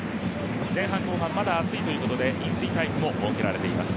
前半・後半まだ暑いということで飲水タイムも設けられています。